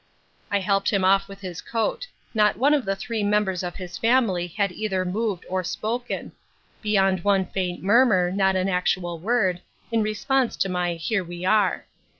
I helped him off with his coat. Not one of the three members of his family had either moved or spoken beyond one faint murmur, not an actual word, in response to my "Here we are."